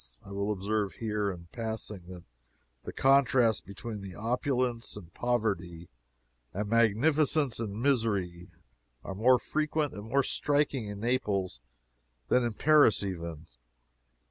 I will observe here, in passing, that the contrasts between opulence and poverty, and magnificence and misery, are more frequent and more striking in Naples than in Paris even.